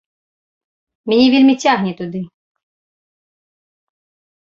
Мяне вельмі цягне туды.